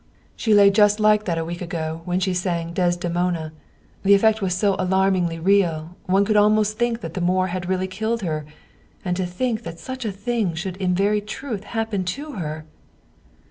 " She lay just like that a week ago when she sang ' Des demona.' The effect was so alarmingly real, one could almost think that the Moor had really killed her. And to think that such a thing should in very truth happen to her!